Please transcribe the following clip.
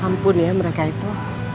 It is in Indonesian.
ampun ya mereka itu